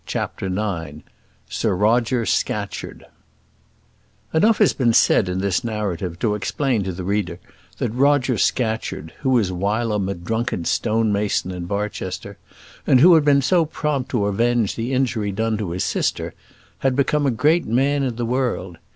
CHAPTER IX Sir Roger Scatcherd Enough has been said in this narrative to explain to the reader that Roger Scatcherd, who was whilom a drunken stone mason in Barchester, and who had been so prompt to avenge the injury done to his sister, had become a great man in the world.